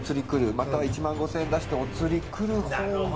または１万５，０００円出しておつり来るほうが。